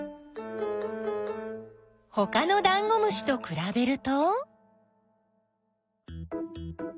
ほかのダンゴムシとくらべると？